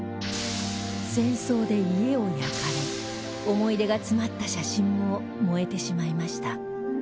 戦争で家を焼かれ思い出が詰まった写真も燃えてしまいました